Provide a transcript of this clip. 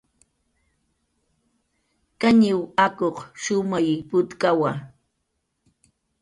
Kañiw akuq shumay putkawa